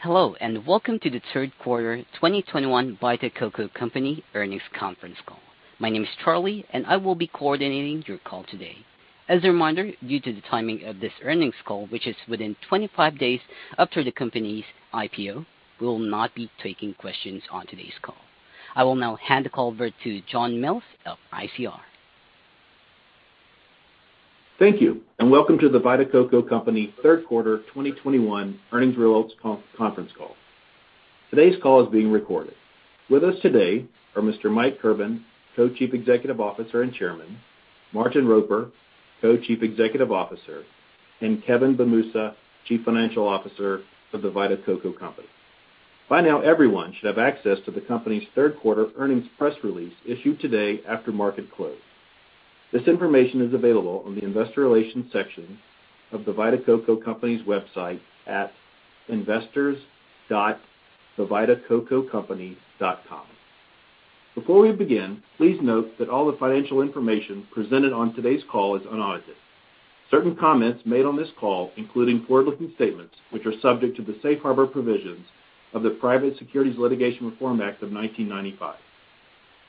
Hello, and welcome to the third quarter 2021 The Vita Coco Company earnings conference call. My name is Charlie, and I will be coordinating your call today. As a reminder, due to the timing of this earnings call, which is within 25 days after the company's IPO, we will not be taking questions on today's call. I will now hand the call over to John Mills of ICR. Thank you, and welcome to The Vita Coco Company third quarter 2021 earnings results conference call. Today's call is being recorded. With us today are Mr. Mike Kirban, Co-Chief Executive Officer and Chairman, Martin Roper, Co-Chief Executive Officer, and Kevin Benmoussa, Chief Financial Officer of The Vita Coco Company. By now, everyone should have access to the company's third quarter earnings press release issued today after market close. This information is available on the investor relations section of The Vita Coco Company's website at investors.thevitacococompany.com. Before we begin, please note that all the financial information presented on today's call is unaudited. Certain comments made on this call, including forward-looking statements, which are subject to the safe harbor provisions of the Private Securities Litigation Reform Act of 1995.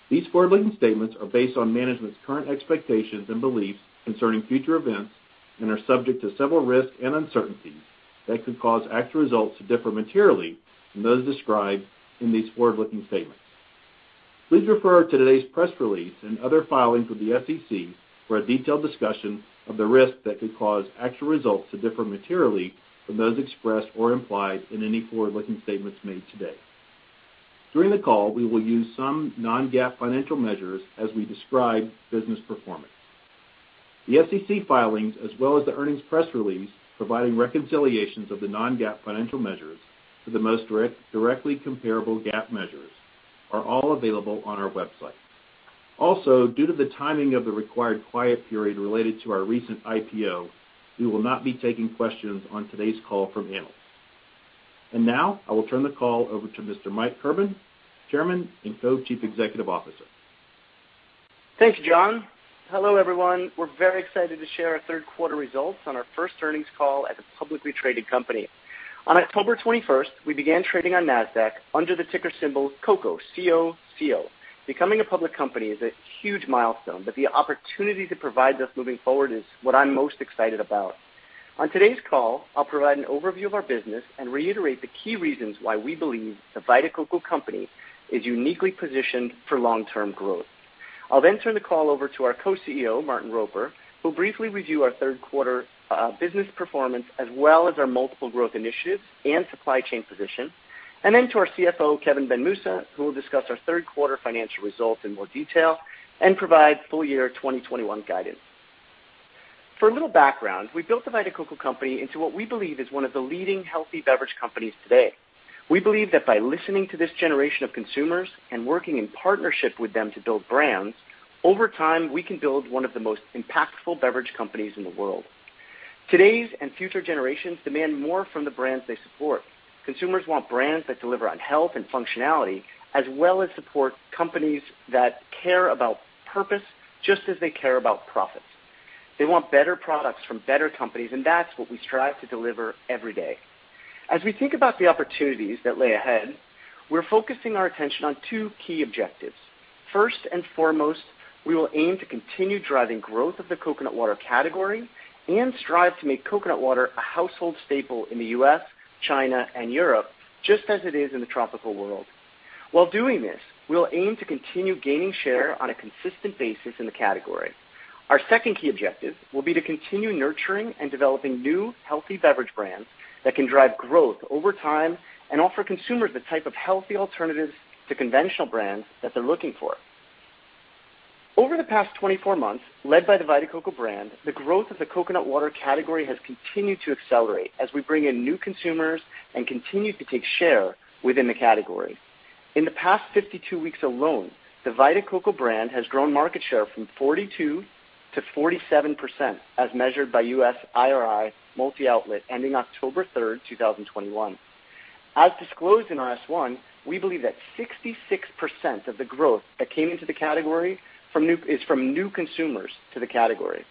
These forward-looking statements are based on management's current expectations and beliefs concerning future events and are subject to several risks and uncertainties that could cause actual results to differ materially from those described in these forward-looking statements. Please refer to today's press release and other filings with the SEC for a detailed discussion of the risks that could cause actual results to differ materially from those expressed or implied in any forward-looking statements made today. During the call, we will use some non-GAAP financial measures as we describe business performance. The SEC filings as well as the earnings press release providing reconciliations of the non-GAAP financial measures to the most directly comparable GAAP measures are all available on our website. Also, due to the timing of the required quiet period related to our recent IPO, we will not be taking questions on today's call from analysts. Now, I will turn the call over to Mr. Michael Kirban, Chairman and Co-Chief Executive Officer. Thanks, John. Hello, everyone. We're very excited to share our third quarter results on our first earnings call as a publicly traded company. On October 21st, we began trading on Nasdaq under the ticker symbol COCO, C-O-C-O. Becoming a public company is a huge milestone, but the opportunity to provide this moving forward is what I'm most excited about. On today's call, I'll provide an overview of our business and reiterate the key reasons why we believe The Vita Coco Company is uniquely positioned for long-term growth. I'll then turn the call over to our Co-CEO, Martin Roper, who'll briefly review our third quarter business performance as well as our multiple growth initiatives and supply chain position. Our CFO, Kevin Benmoussa, will discuss our third quarter financial results in more detail and provide full year 2021 guidance. For a little background, we built the Vita Coco Company into what we believe is one of the leading healthy beverage companies today. We believe that by listening to this generation of consumers and working in partnership with them to build brands, over time, we can build one of the most impactful beverage companies in the world. Today's and future generations demand more from the brands they support. Consumers want brands that deliver on health and functionality as well as support companies that care about purpose, just as they care about profits. They want better products from better companies, and that's what we strive to deliver every day. As we think about the opportunities that lay ahead, we're focusing our attention on two key objectives. First and foremost, we will aim to continue driving growth of the coconut water category and strive to make coconut water a household staple in the U.S., China, and Europe, just as it is in the tropical world. While doing this, we'll aim to continue gaining share on a consistent basis in the category. Our second key objective will be to continue nurturing and developing new healthy beverage brands that can drive growth over time and offer consumers the type of healthy alternatives to conventional brands that they're looking for. Over the past 24 months, led by the Vita Coco brand, the growth of the coconut water category has continued to accelerate as we bring in new consumers and continue to take share within the category. In the past 52 weeks alone, the Vita Coco brand has grown market share from 42% to 47% as measured by U.S. IRI Multi-Outlet ending October 3rd, 2021. As disclosed in our S1, we believe that 66% of the growth that came into the category is from new consumers to the category.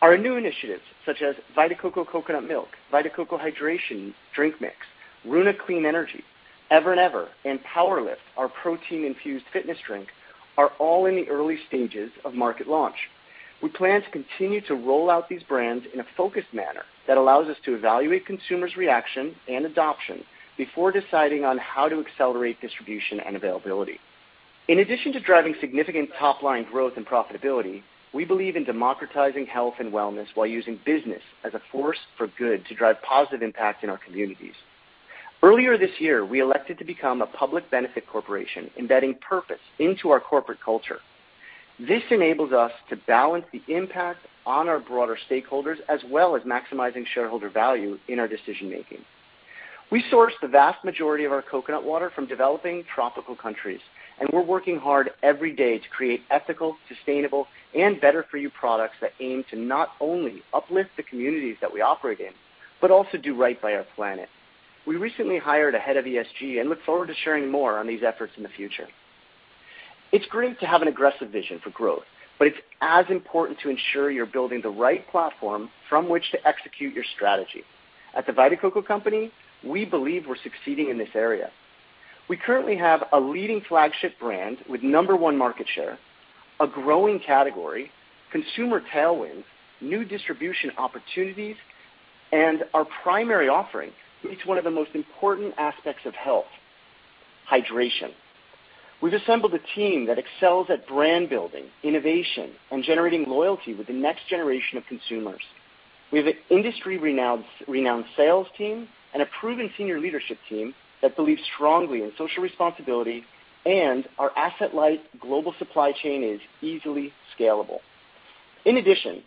Our new initiatives, such as Vita Coco Coconut Milk, Vita Coco Hydration Drink Mix, Runa Clean Energy, Ever & Ever, and PWR LIFT, our protein-infused fitness drink, are all in the early stages of market launch. We plan to continue to roll out these brands in a focused manner that allows us to evaluate consumers' reaction and adoption before deciding on how to accelerate distribution and availability. In addition to driving significant top-line growth and profitability, we believe in democratizing health and wellness while using business as a force for good to drive positive impact in our communities. Earlier this year, we elected to become a public benefit corporation, embedding purpose into our corporate culture. This enables us to balance the impact on our broader stakeholders as well as maximizing shareholder value in our decision-making. We source the vast majority of our coconut water from developing tropical countries, and we're working hard every day to create ethical, sustainable, and better for you products that aim to not only uplift the communities that we operate in, but also do right by our planet. We recently hired a head of ESG and look forward to sharing more on these efforts in the future. It's great to have an aggressive vision for growth, but it's as important to ensure you're building the right platform from which to execute your strategy. At The Vita Coco Company, we believe we're succeeding in this area. We currently have a leading flagship brand with number one market share, a growing category, consumer tailwinds, new distribution opportunities, and our primary offering meets one of the most important aspects of health, hydration. We've assembled a team that excels at brand building, innovation, and generating loyalty with the next generation of consumers. We have an industry renowned sales team and a proven senior leadership team that believes strongly in social responsibility, and our asset-light global supply chain is easily scalable. In addition,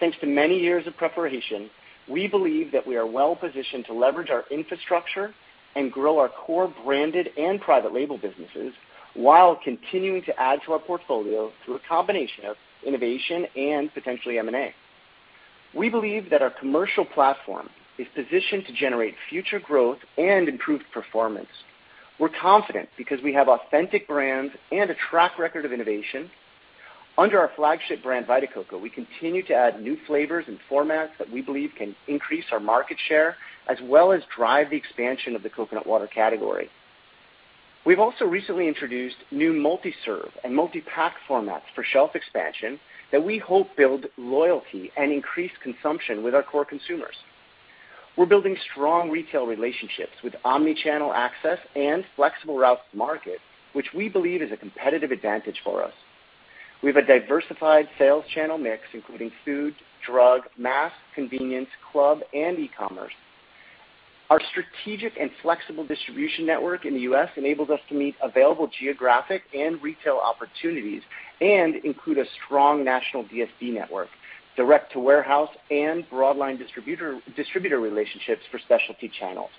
thanks to many years of preparation, we believe that we are well-positioned to leverage our infrastructure and grow our core branded and private label businesses while continuing to add to our portfolio through a combination of innovation and potentially M&A. We believe that our commercial platform is positioned to generate future growth and improved performance. We're confident because we have authentic brands and a track record of innovation. Under our flagship brand, Vita Coco, we continue to add new flavors and formats that we believe can increase our market share, as well as drive the expansion of the coconut water category. We've also recently introduced new multi-serve and multi-pack formats for shelf expansion that we hope build loyalty and increase consumption with our core consumers. We're building strong retail relationships with omni-channel access and flexible route to market, which we believe is a competitive advantage for us. We have a diversified sales channel mix, including food, drug, mass, convenience, club, and e-commerce. Our strategic and flexible distribution network in the U.S. enables us to meet available geographic and retail opportunities and include a strong national DSD network, direct-to-warehouse and broad line distributor relationships for specialty channels.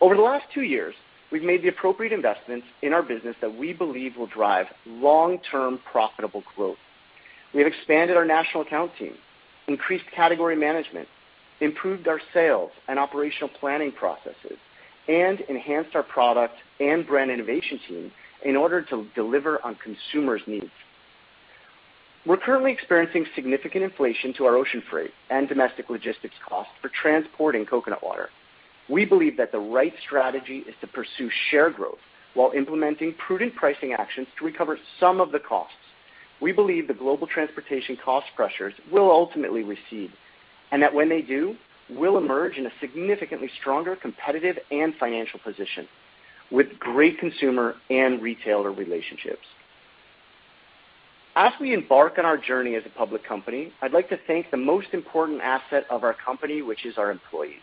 Over the last two years, we've made the appropriate investments in our business that we believe will drive long-term profitable growth. We have expanded our national account team, increased category management, improved our sales and operational planning processes, and enhanced our product and brand innovation team in order to deliver on consumers' needs. We're currently experiencing significant inflation to our ocean freight and domestic logistics costs for transporting coconut water. We believe that the right strategy is to pursue share growth while implementing prudent pricing actions to recover some of the costs. We believe the global transportation cost pressures will ultimately recede, and that when they do, we'll emerge in a significantly stronger competitive and financial position with great consumer and retailer relationships. As we embark on our journey as a public company, I'd like to thank the most important asset of our company, which is our employees.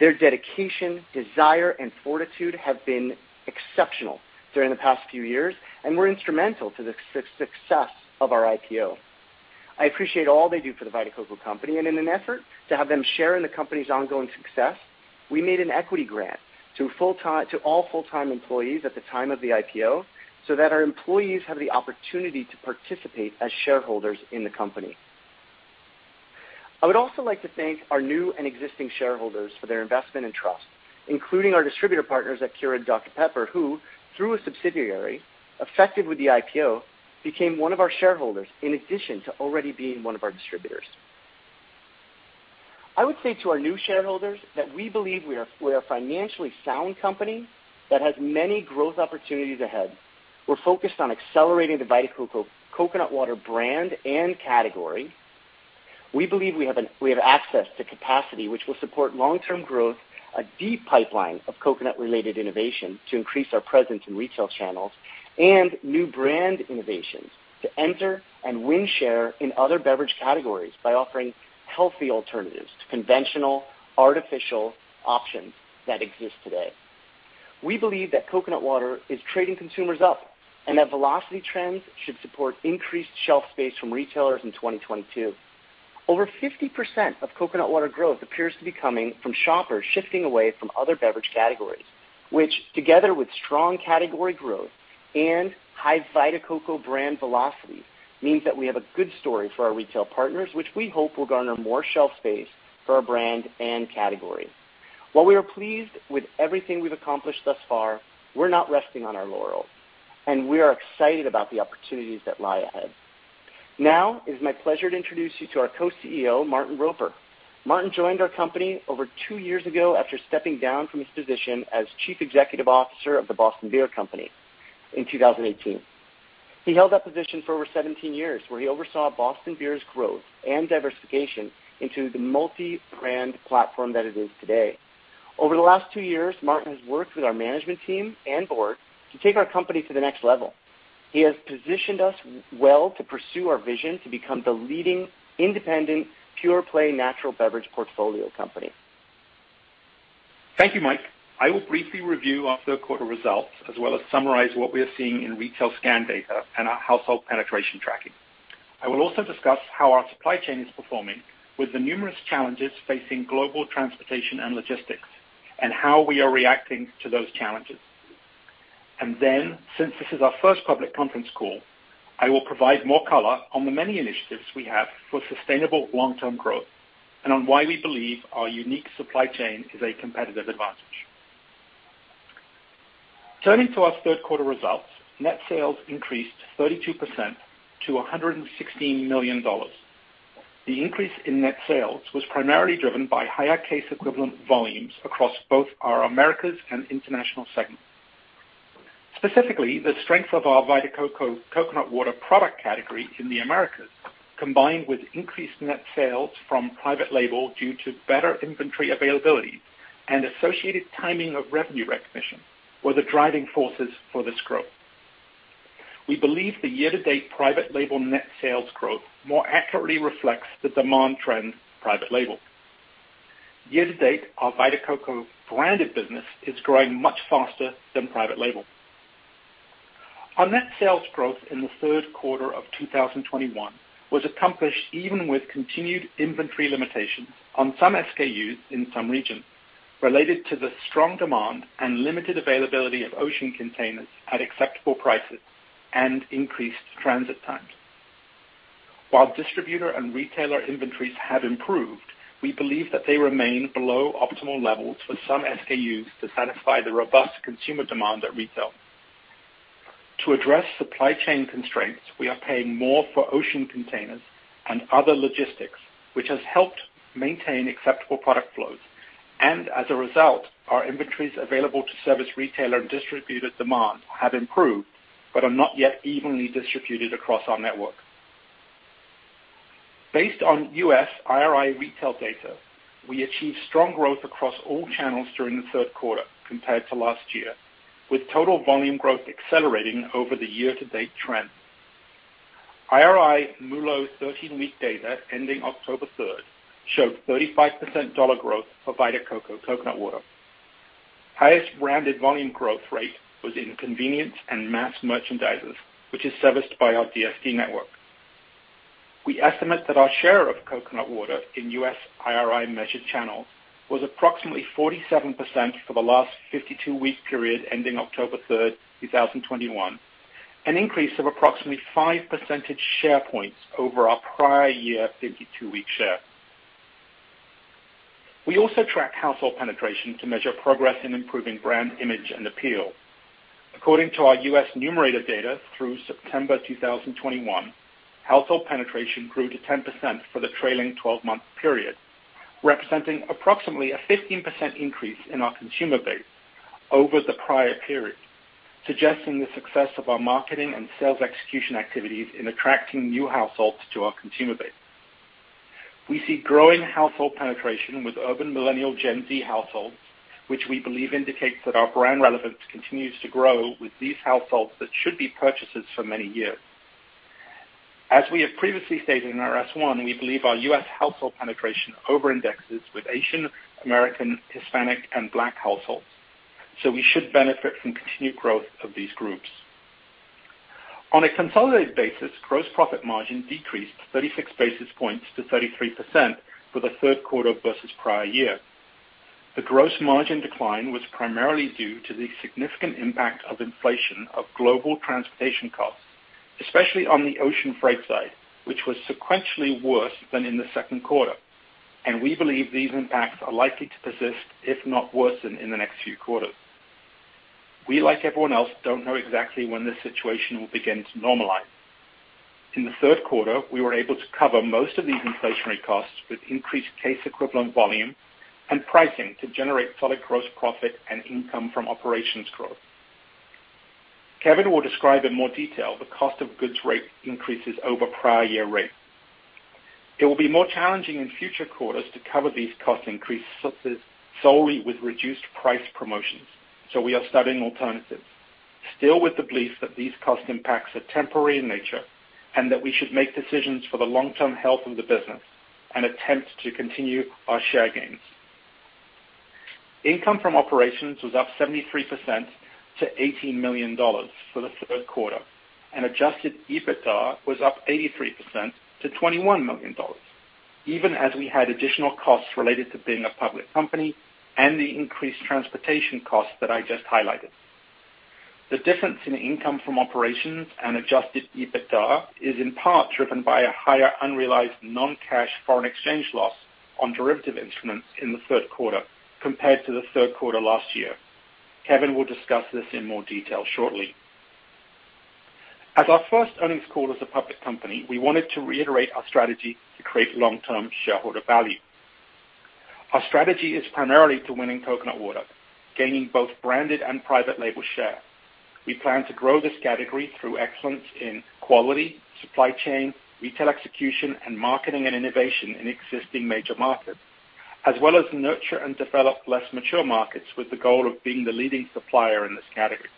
Their dedication, desire, and fortitude have been exceptional during the past few years and were instrumental to the success of our IPO. I appreciate all they do for the Vita Coco Company, and in an effort to have them share in the company's ongoing success, we made an equity grant to all full-time employees at the time of the IPO, so that our employees have the opportunity to participate as shareholders in the company. I would also like to thank our new and existing shareholders for their investment and trust, including our distributor partners at Keurig Dr Pepper, who, through a subsidiary, effective with the IPO, became one of our shareholders in addition to already being one of our distributors. I would say to our new shareholders that we believe we're a financially sound company that has many growth opportunities ahead. We're focused on accelerating the Vita Coco coconut water brand and category. We believe we have access to capacity which will support long-term growth, a deep pipeline of coconut-related innovation to increase our presence in retail channels, and new brand innovations to enter and win share in other beverage categories by offering healthy alternatives to conventional artificial options that exist today. We believe that coconut water is trading consumers up and that velocity trends should support increased shelf space from retailers in 2022. Over 50% of coconut water growth appears to be coming from shoppers shifting away from other beverage categories, which, together with strong category growth and high Vita Coco brand velocity, means that we have a good story for our retail partners, which we hope will garner more shelf space for our brand and category. While we are pleased with everything we've accomplished thus far, we're not resting on our laurels, and we are excited about the opportunities that lie ahead. Now it is my pleasure to introduce you to our Co-CEO, Martin Roper. Martin joined our company over two years ago after stepping down from his position as Chief Executive Officer of The Boston Beer Company in 2018. He held that position for over 17 years, where he oversaw Boston Beer's growth and diversification into the multi-brand platform that it is today. Over the last two years, Martin has worked with our management team and board to take our company to the next level. He has positioned us well to pursue our vision to become the leading independent, pure play natural beverage portfolio company. Thank you, Mike. I will briefly review our third quarter results, as well as summarize what we are seeing in retail scan data and our household penetration tracking. I will also discuss how our supply chain is performing with the numerous challenges facing global transportation and logistics and how we are reacting to those challenges. Since this is our first public conference call, I will provide more color on the many initiatives we have for sustainable long-term growth and on why we believe our unique supply chain is a competitive advantage. Turning to our third quarter results, net sales increased 32% to $116 million. The increase in net sales was primarily driven by higher case equivalent volumes across both our Americas and International segments. Specifically, the strength of our Vita Coco coconut water product category in the Americas, combined with increased net sales from private label due to better inventory availability and associated timing of revenue recognition, were the driving forces for this growth. We believe the year-to-date private label net sales growth more accurately reflects the demand trend for private label. Year-to-date, our Vita Coco branded business is growing much faster than private label. Our net sales growth in the third quarter of 2021 was accomplished even with continued inventory limitations on some SKUs in some regions related to the strong demand and limited availability of ocean containers at acceptable prices and increased transit times. While distributor and retailer inventories have improved, we believe that they remain below optimal levels for some SKUs to satisfy the robust consumer demand at retail. To address supply chain constraints, we are paying more for ocean containers and other logistics, which has helped maintain acceptable product flows. As a result, our inventories available to service retailer and distributor demand have improved, but are not yet evenly distributed across our network. Based on U.S. IRI retail data, we achieved strong growth across all channels during the third quarter compared to last year, with total volume growth accelerating over the year-to-date trend. IRI MULO 13-week data ending October 3rd showed 35% dollar growth for Vita Coco Coconut Water. Highest branded volume growth rate was in convenience and mass merchandisers, which is serviced by our DSD network. We estimate that our share of coconut water in U.S. IRI measured channels was approximately 47% for the last 52-week period ending October 3rd, 2021, an increase of approximately five percentage points over our prior-year 52-week share. We also track household penetration to measure progress in improving brand image and appeal. According to our U.S. Numerator data through September 2021, household penetration grew to 10% for the trailing 12-month period, representing approximately a 15% increase in our consumer base over the prior period, suggesting the success of our marketing and sales execution activities in attracting new households to our consumer base. We see growing household penetration with urban millennial Gen Z households, which we believe indicates that our brand relevance continues to grow with these households that should be purchasers for many years. As we have previously stated in our S1, we believe our U.S. household penetration over indexes with Asian, American, Hispanic, and Black households, so we should benefit from continued growth of these groups. On a consolidated basis, gross profit margin decreased 36 basis points to 33% for the third quarter versus prior year. The gross margin decline was primarily due to the significant impact of inflation of global transportation costs, especially on the ocean freight side, which was sequentially worse than in the second quarter. We believe these impacts are likely to persist, if not worsen in the next few quarters. We, like everyone else, don't know exactly when this situation will begin to normalize. In the third quarter, we were able to cover most of these inflationary costs with increased case equivalent volume and pricing to generate solid gross profit and income from operations growth. Kevin will describe in more detail the cost of goods rate increases over prior year rates. It will be more challenging in future quarters to cover these cost increases solely with reduced price promotions, so we are studying alternatives, still with the belief that these cost impacts are temporary in nature and that we should make decisions for the long-term health of the business and attempt to continue our share gains. Income from operations was up 73% to $18 million for the third quarter, and adjusted EBITDA was up 83% to $21 million, even as we had additional costs related to being a public company and the increased transportation costs that I just highlighted. The difference in income from operations and adjusted EBITDA is in part driven by a higher unrealized non-cash foreign exchange loss on derivative instruments in the third quarter compared to the third quarter last year. Kevin will discuss this in more detail shortly. As our first earnings call as a public company, we wanted to reiterate our strategy to create long-term shareholder value. Our strategy is primarily to win in coconut water, gaining both branded and private label share. We plan to grow this category through excellence in quality, supply chain, retail execution, and marketing and innovation in existing major markets, as well as nurture and develop less mature markets with the goal of being the leading supplier in this category.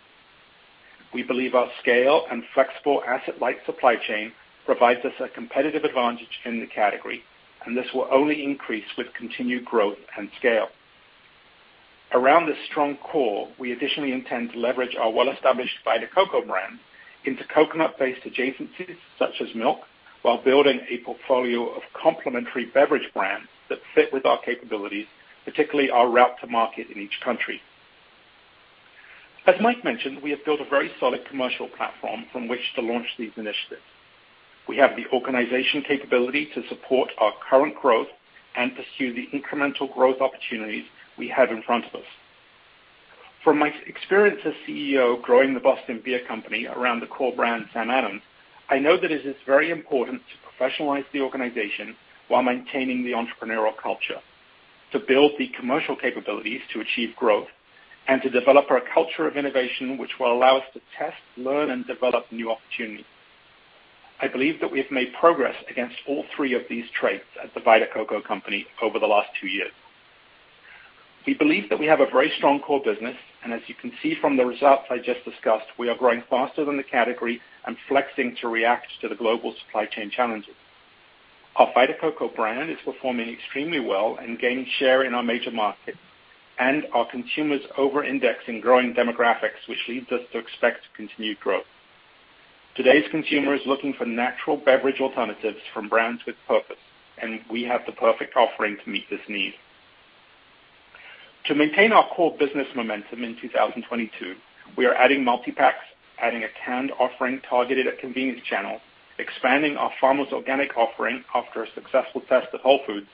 We believe our scale and flexible asset-light supply chain provides us a competitive advantage in the category, and this will only increase with continued growth and scale. Around this strong core, we additionally intend to leverage our well-established Vita Coco brand into coconut-based adjacencies such as milk, while building a portfolio of complementary beverage brands that fit with our capabilities, particularly our route to market in each country. As Mike mentioned, we have built a very solid commercial platform from which to launch these initiatives. We have the organization capability to support our current growth and pursue the incremental growth opportunities we have in front of us. From my experience as CEO growing the Boston Beer Company around the core brand Sam Adams, I know that it is very important to professionalize the organization while maintaining the entrepreneurial culture, to build the commercial capabilities to achieve growth, and to develop our culture of innovation, which will allow us to test, learn, and develop new opportunities. I believe that we have made progress against all three of these traits at The Vita Coco Company over the last two years. We believe that we have a very strong core business, and as you can see from the results I just discussed, we are growing faster than the category and flexing to react to the global supply chain challenges. Our Vita Coco brand is performing extremely well and gaining share in our major markets, and our consumers over-index in growing demographics, which leads us to expect continued growth. Today's consumer is looking for natural beverage alternatives from brands with purpose, and we have the perfect offering to meet this need. To maintain our core business momentum in 2022, we are adding multi-packs, adding a canned offering targeted at convenience channels, expanding our Farmers Organic offering after a successful test at Whole Foods,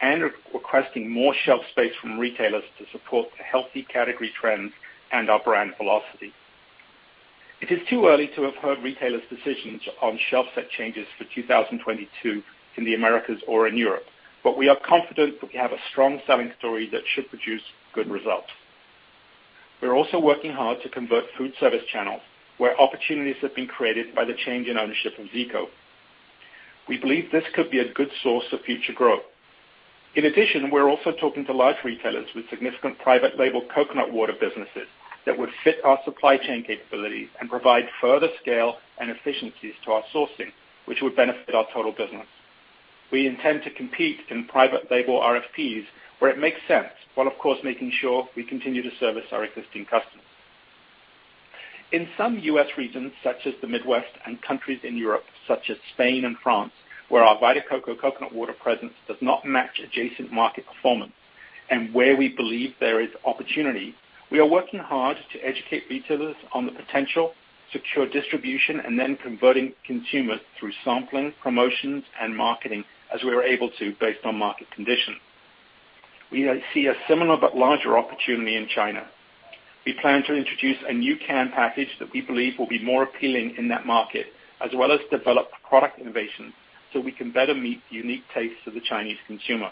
and requesting more shelf space from retailers to support the healthy category trends and our brand velocity. It is too early to have heard retailers' decisions on shelf set changes for 2022 in the Americas or in Europe, but we are confident that we have a strong selling story that should produce good results. We're also working hard to convert food service channels where opportunities have been created by the change in ownership of Zico. We believe this could be a good source of future growth. In addition, we're also talking to large retailers with significant private label coconut water businesses that would fit our supply chain capabilities and provide further scale and efficiencies to our sourcing, which would benefit our total business. We intend to compete in private label RFPs where it makes sense, while of course making sure we continue to service our existing customers. In some U.S. regions, such as the Midwest and countries in Europe, such as Spain and France, where our Vita Coco coconut water presence does not match adjacent market performance and where we believe there is opportunity, we are working hard to educate retailers on the potential, secure distribution, and then converting consumers through sampling, promotions, and marketing as we are able to based on market conditions. We see a similar but larger opportunity in China. We plan to introduce a new can package that we believe will be more appealing in that market, as well as develop product innovation so we can better meet the unique tastes of the Chinese consumer.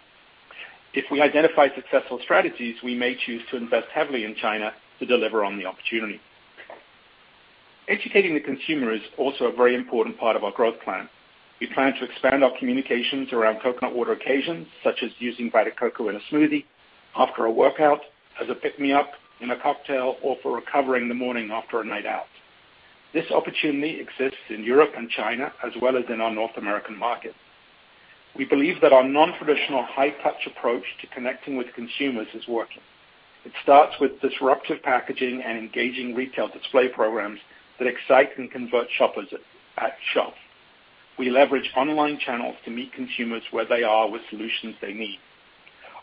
If we identify successful strategies, we may choose to invest heavily in China to deliver on the opportunity. Educating the consumer is also a very important part of our growth plan. We plan to expand our communications around coconut water occasions, such as using Vita Coco in a smoothie after a workout, as a pick-me-up in a cocktail, or for recovering the morning after a night out. This opportunity exists in Europe and China, as well as in our North American market. We believe that our non-traditional high touch approach to connecting with consumers is working. It starts with disruptive packaging and engaging retail display programs that excite and convert shoppers at shop. We leverage online channels to meet consumers where they are with solutions they need.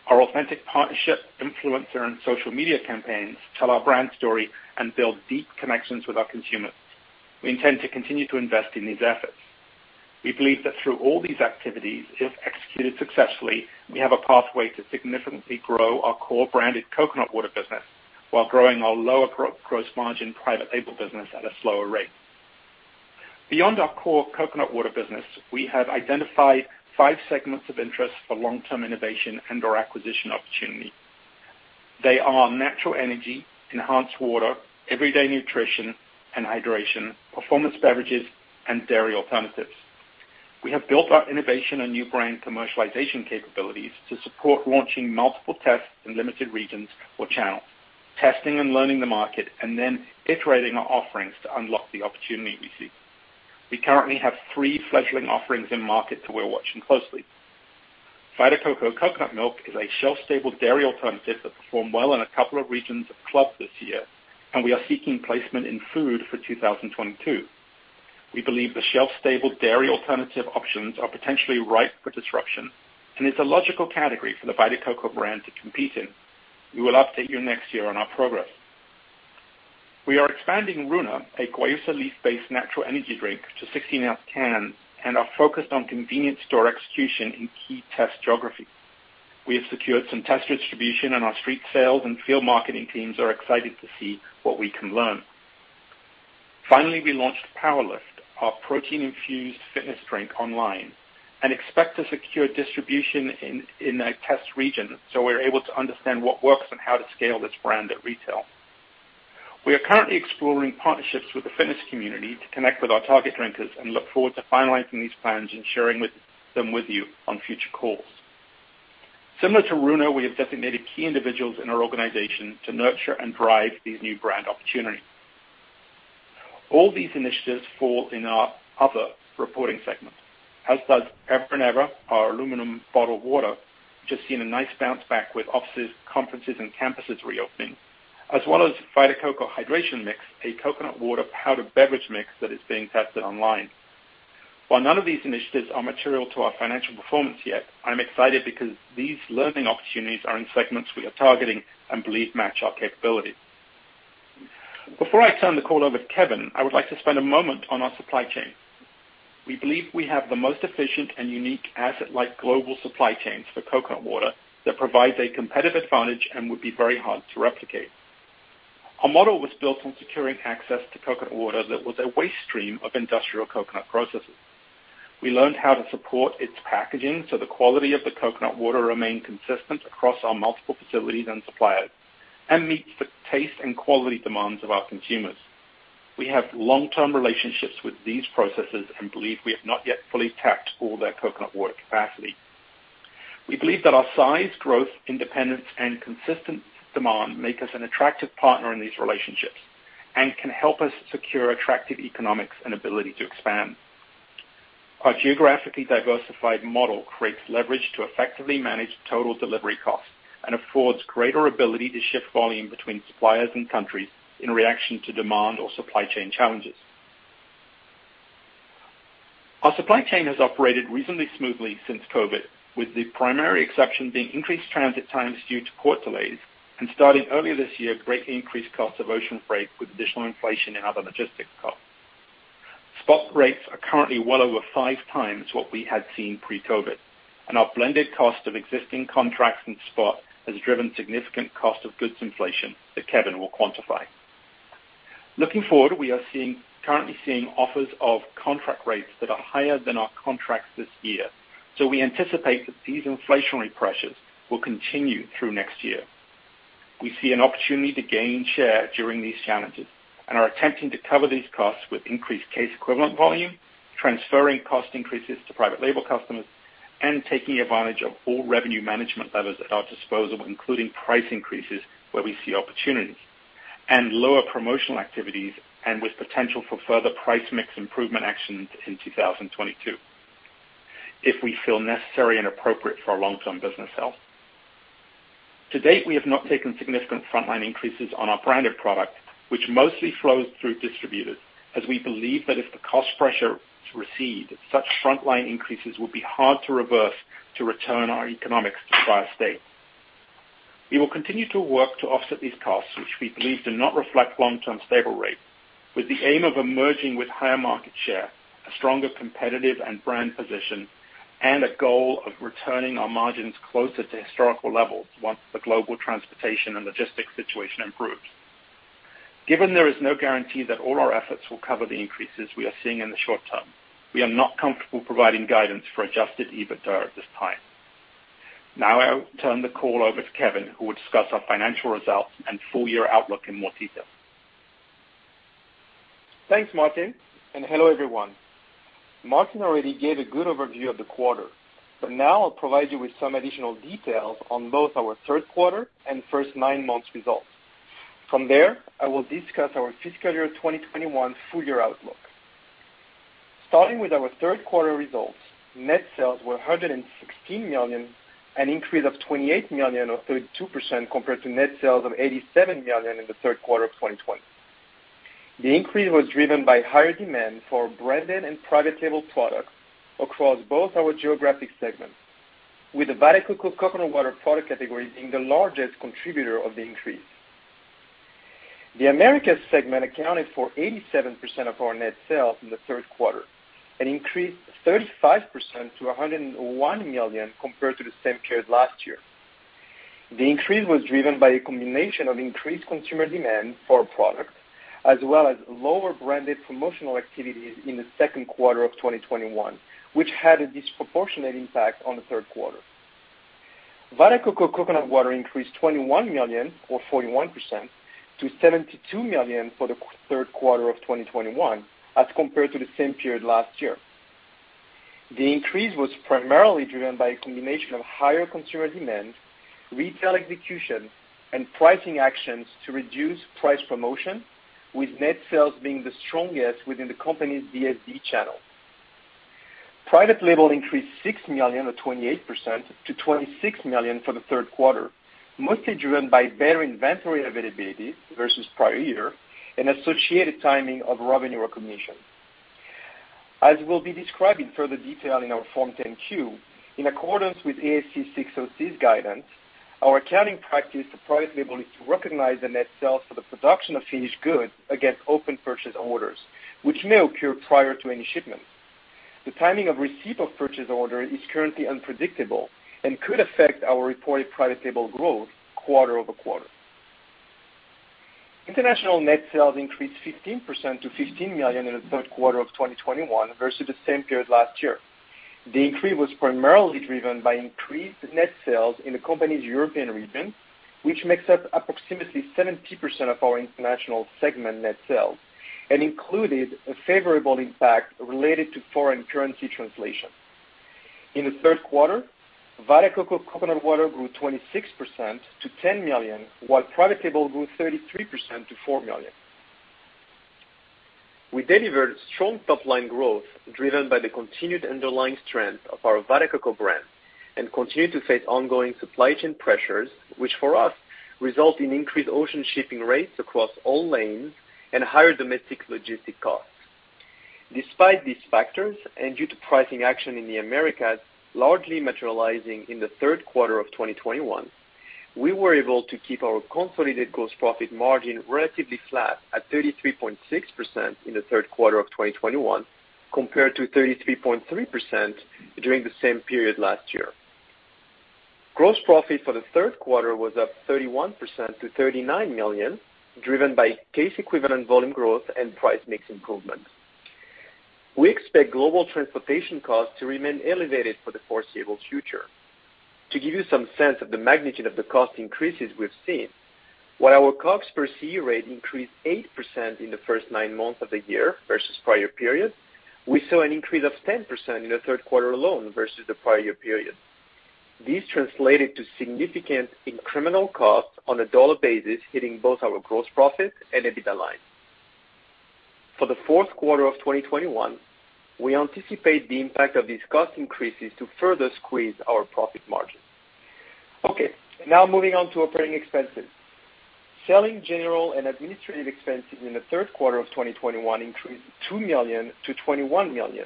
Our authentic partnership, influencer, and social media campaigns tell our brand story and build deep connections with our consumers. We intend to continue to invest in these efforts. We believe that through all these activities, if executed successfully, we have a pathway to significantly grow our core branded coconut water business while growing our lower gross margin private label business at a slower rate. Beyond our core coconut water business, we have identified five segments of interest for long-term innovation and/or acquisition opportunity. They are natural energy, enhanced water, everyday nutrition and hydration, performance beverages, and dairy alternatives. We have built our innovation and new brand commercialization capabilities to support launching multiple tests in limited regions or channels, testing and learning the market, and then iterating our offerings to unlock the opportunity we see. We currently have three fledgling offerings in market that we're watching closely. Vita Coco Coconut Milk is a shelf-stable dairy alternative that performed well in a couple of regions of club this year, and we are seeking placement in food for 2022. We believe the shelf-stable dairy alternative options are potentially ripe for disruption, and it's a logical category for the Vita Coco brand to compete in. We will update you next year on our progress. We are expanding Runa, a guayusa leaf-based natural energy drink, to 16-ounce cans and are focused on convenience store execution in key test geographies. We have secured some test distribution, and our street sales and field marketing teams are excited to see what we can learn. Finally, we launched PWR LIFT, our protein-infused fitness drink, online and expect to secure distribution in a test region so we're able to understand what works and how to scale this brand at retail. We are currently exploring partnerships with the fitness community to connect with our target drinkers and look forward to finalizing these plans and sharing them with you on future calls. Similar to Runa, we have designated key individuals in our organization to nurture and drive these new brand opportunities. All these initiatives fall in our other reporting segment, as does Ever & Ever, our aluminum bottled water, which has seen a nice bounce back with offices, conferences, and campuses reopening, as well as Vita Coco Hydration Drink Mix, a coconut water powder beverage mix that is being tested online. While none of these initiatives are material to our financial performance yet, I'm excited because these learning opportunities are in segments we are targeting and believe match our capabilities. Before I turn the call over to Kevin, I would like to spend a moment on our supply chain. We believe we have the most efficient and unique asset-light global supply chain for coconut water that provides a competitive advantage and would be very hard to replicate. Our model was built on securing access to coconut water that was a waste stream of industrial coconut processes. We learned how to support its packaging so the quality of the coconut water remain consistent across our multiple facilities and suppliers and meets the taste and quality demands of our consumers. We have long-term relationships with these processes and believe we have not yet fully tapped all their coconut water capacity. We believe that our size, growth, independence, and consistent demand make us an attractive partner in these relationships, and can help us secure attractive economics and ability to expand. Our geographically diversified model creates leverage to effectively manage total delivery costs and affords greater ability to shift volume between suppliers and countries in reaction to demand or supply chain challenges. Our supply chain has operated reasonably smoothly since COVID, with the primary exception being increased transit times due to port delays, and starting earlier this year, greatly increased costs of ocean freight with additional inflation in other logistics costs. Spot rates are currently well over five times what we had seen pre-COVID, and our blended cost of existing contracts and spot has driven significant cost of goods inflation that Kevin will quantify. Looking forward, we are currently seeing offers of contract rates that are higher than our contracts this year. We anticipate that these inflationary pressures will continue through next year. We see an opportunity to gain share during these challenges and are attempting to cover these costs with increased case equivalent volume, transferring cost increases to private label customers, and taking advantage of all revenue management levers at our disposal, including price increases where we see opportunities and lower promotional activities and with potential for further price mix improvement actions in 2022, if we feel necessary and appropriate for our long-term business health. To date, we have not taken significant list price increases on our branded product, which mostly flows through distributors, as we believe that if the cost pressure to recede, such list price increases would be hard to reverse to return our economics to prior state. We will continue to work to offset these costs, which we believe do not reflect long-term stable rates, with the aim of emerging with higher market share, a stronger competitive and brand position, and a goal of returning our margins closer to historical levels once the global transportation and logistics situation improves. Given there is no guarantee that all our efforts will cover the increases we are seeing in the short term, we are not comfortable providing guidance for adjusted EBITDA at this time. Now I'll turn the call over to Kevin, who will discuss our financial results and full year outlook in more detail. Thanks, Martin, and hello everyone. Martin already gave a good overview of the quarter, but now I'll provide you with some additional details on both our third quarter and first nine months results. From there, I will discuss our fiscal year 2021 full year outlook. Starting with our third quarter results, net sales were $116 million, an increase of $28 million or 32% compared to net sales of $87 million in the third quarter of 2020. The increase was driven by higher demand for branded and private label products across both our geographic segments, with the Vita Coco Coconut Water product category being the largest contributor of the increase. The Americas segment accounted for 87% of our net sales in the third quarter and increased 35% to $101 million compared to the same period last year. The increase was driven by a combination of increased consumer demand for our products, as well as lower branded promotional activities in the second quarter of 2021, which had a disproportionate impact on the third quarter. Vita Coco Coconut Water increased $21 million or 41% to $72 million for the third quarter of 2021 as compared to the same period last year. The increase was primarily driven by a combination of higher consumer demand, retail execution, and pricing actions to reduce price promotion, with net sales being the strongest within the company's DSD channel. Private label increased $6 million or 28% to $26 million for the third quarter, mostly driven by better inventory availability versus prior year and associated timing of revenue recognition. As will be described in further detail in our Form 10-Q, in accordance with ASC 606 guidance, our accounting practice for private label is to recognize the net sales for the production of finished goods against open purchase orders, which may occur prior to any shipments. The timing of receipt of purchase order is currently unpredictable and could affect our reported private label growth quarter-over-quarter. International net sales increased 15% to $15 million in the third quarter of 2021 versus the same period last year. The increase was primarily driven by increased net sales in the company's European region, which makes up approximately 70% of our international segment net sales, and included a favorable impact related to foreign currency translation. In the third quarter, Vita Coco Coconut Water grew 26% to $10 million, while private label grew 33% to $4 million. We delivered strong top-line growth driven by the continued underlying strength of our Vita Coco brand. We continue to face ongoing supply chain pressures, which for us result in increased ocean shipping rates across all lanes and higher domestic logistics costs. Despite these factors, and due to pricing action in the Americas largely materializing in the third quarter of 2021, we were able to keep our consolidated gross profit margin relatively flat at 33.6% in the third quarter of 2021, compared to 33.3% during the same period last year. Gross profit for the third quarter was up 31% to $39 million, driven by case equivalent volume growth and price mix improvement. We expect global transportation costs to remain elevated for the foreseeable future. To give you some sense of the magnitude of the cost increases we've seen, while our COGS per CE rate increased 8% in the first nine months of the year versus prior period, we saw an increase of 10% in the third quarter alone versus the prior year period. These translated to significant incremental costs on a dollar basis, hitting both our gross profit and EBITDA line. For the fourth quarter of 2021, we anticipate the impact of these cost increases to further squeeze our profit margins. Okay, now moving on to operating expenses. Selling, general, and administrative expenses in the third quarter of 2021 increased $2 million-$21 million,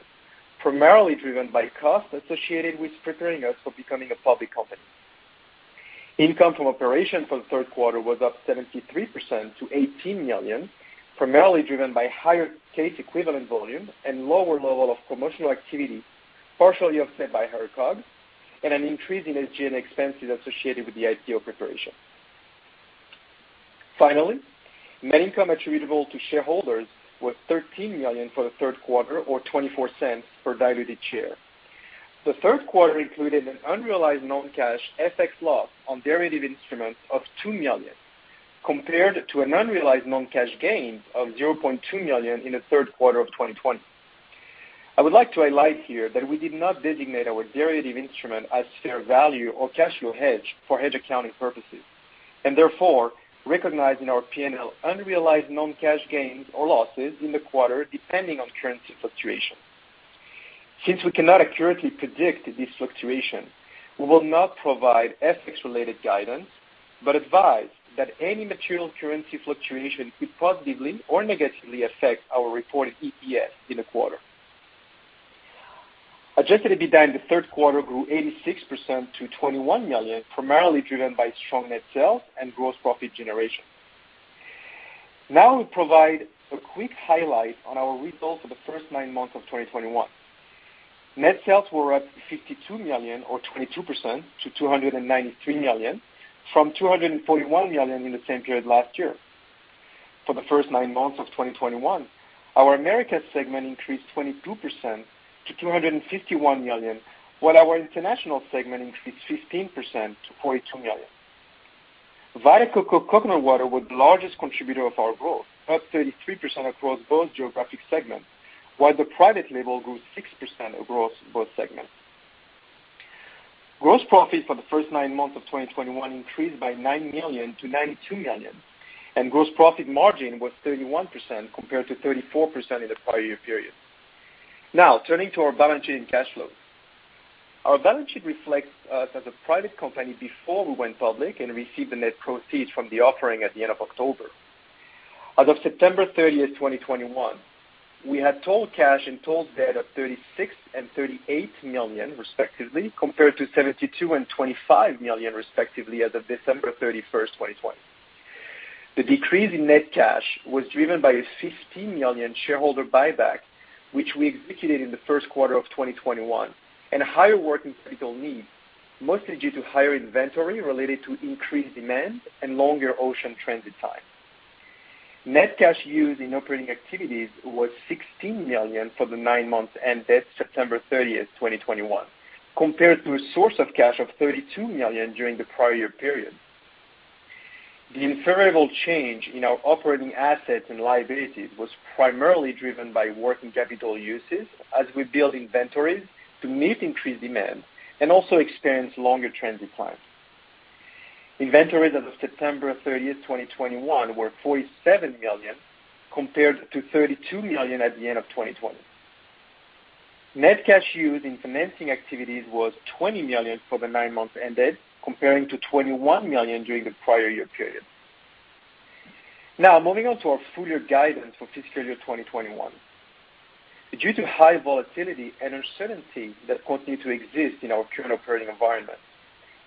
primarily driven by costs associated with preparing us for becoming a public company. Income from operations for the third quarter was up 73% to $18 million, primarily driven by higher case equivalent volume and lower level of promotional activity, partially offset by higher COGS and an increase in SG&A expenses associated with the IPO preparation. Net income attributable to shareholders was $13 million for the third quarter, or $0.24 per diluted share. The third quarter included an unrealized non-cash FX loss on derivative instruments of $2 million, compared to an unrealized non-cash gain of $0.2 million in the third quarter of 2020. I would like to highlight here that we did not designate our derivative instrument as fair value or cash flow hedge for hedge accounting purposes, and therefore recognize in our P&L unrealized non-cash gains or losses in the quarter depending on currency fluctuation. Since we cannot accurately predict this fluctuation, we will not provide FX-related guidance, but advise that any material currency fluctuation could positively or negatively affect our reported EPS in the quarter. Adjusted EBITDA in the third quarter grew 86% to $21 million, primarily driven by strong net sales and gross profit generation. Now we provide a quick highlight on our results for the first nine months of 2021. Net sales were up $52 million, or 22%, to $293 million, from $241 million in the same period last year. For the first nine months of 2021, our Americas segment increased 22% to $251 million, while our International segment increased 15% to $42 million. Vita Coco Coconut Water was the largest contributor of our growth, up 33% across both geographic segments, while the private label grew 6% across both segments. Gross profit for the first nine months of 2021 increased by $9 million-$92 million, and gross profit margin was 31% compared to 34% in the prior year period. Now, turning to our balance sheet and cash flow. Our balance sheet reflects us as a private company before we went public and received the net proceeds from the offering at the end of October. As of September 30th, 2021, we had total cash and total debt of $36 million and $38 million, respectively, compared to $72 million and $25 million, respectively, as of December 31st, 2020. The decrease in net cash was driven by a $15 million shareholder buyback, which we executed in the first quarter of 2021, and higher working capital needs, mostly due to higher inventory related to increased demand and longer ocean transit time. Net cash used in operating activities was $16 million for the nine months ended September 30th, 2021, compared to a source of cash of $32 million during the prior year period. The unfavorable change in our operating assets and liabilities was primarily driven by working capital uses as we built inventories to meet increased demand and also experienced longer transit times. Inventories as of September 30th, 2021, were $47 million, compared to $32 million at the end of 2020. Net cash used in financing activities was $20 million for the nine months ended, compared to $21 million during the prior year period. Now, moving on to our full year guidance for fiscal year 2021. Due to high volatility and uncertainty that continue to exist in our current operating environment,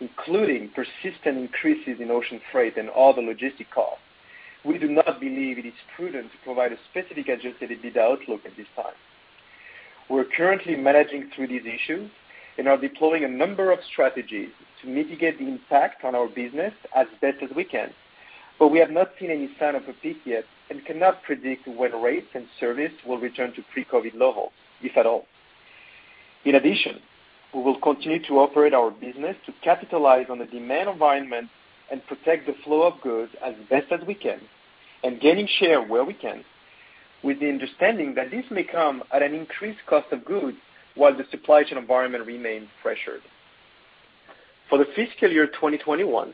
including persistent increases in ocean freight and other logistic costs, we do not believe it is prudent to provide a specific adjusted EBITDA outlook at this time. We're currently managing through these issues and are deploying a number of strategies to mitigate the impact on our business as best as we can, but we have not seen any sign of a peak yet and cannot predict when rates and service will return to pre-COVID levels, if at all. In addition, we will continue to operate our business to capitalize on the demand environment and protect the flow of goods as best as we can, and gaining share where we can, with the understanding that this may come at an increased cost of goods while the supply chain environment remains pressured. For the fiscal year 2021,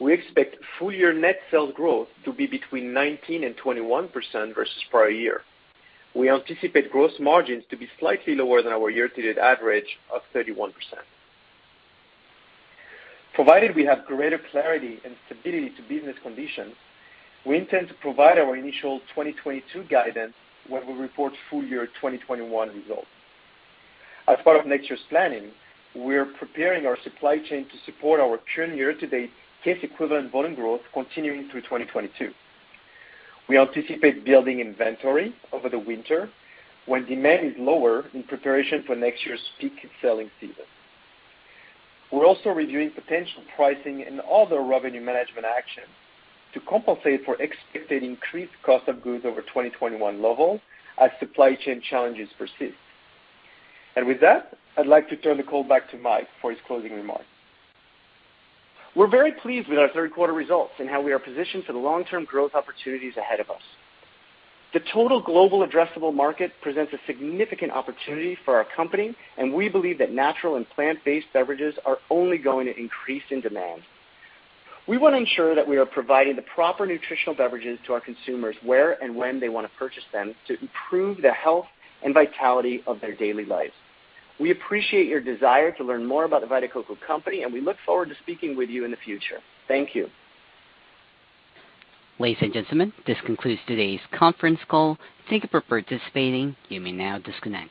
we expect full year net sales growth to be between 19% and 21% versus prior year. We anticipate gross margins to be slightly lower than our year-to-date average of 31%. Provided we have greater clarity and stability to business conditions, we intend to provide our initial 2022 guidance when we report full year 2021 results. As part of next year's planning, we are preparing our supply chain to support our current year-to-date case equivalent volume growth continuing through 2022. We anticipate building inventory over the winter when demand is lower in preparation for next year's peak selling season. We're also reviewing potential pricing and other revenue management actions to compensate for expected increased cost of goods over 2021 levels as supply chain challenges persist. With that, I'd like to turn the call back to Mike for his closing remarks. We're very pleased with our third quarter results and how we are positioned for the long-term growth opportunities ahead of us. The total global addressable market presents a significant opportunity for our company, and we believe that natural and plant-based beverages are only going to increase in demand. We want to ensure that we are providing the proper nutritional beverages to our consumers where and when they want to purchase them to improve the health and vitality of their daily lives. We appreciate your desire to learn more about The Vita Coco Company, and we look forward to speaking with you in the future. Thank you. Ladies and gentlemen, this concludes today's conference call. Thank you for participating. You may now disconnect.